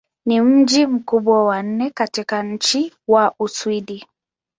Ni mji mkubwa wa nne katika nchi wa Uswidi.